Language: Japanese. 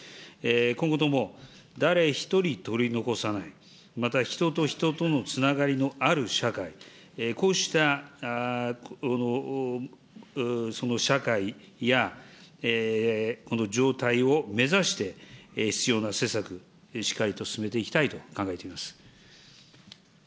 今後とも誰一人取り残さない、また人と人とのつながりのある社会、こうした社会やこの状態を目指して、必要な施策、しっかりと進めていきたいと考えております。